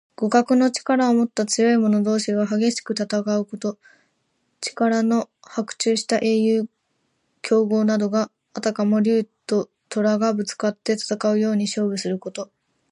互角の力をもった強い者同士が激しく戦うこと。力の伯仲した英雄・強豪などが、あたかも竜ととらとがぶつかって戦うように勝負すること。